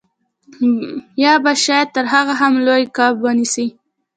یا به شاید تر هغه هم لوی کب ونیسئ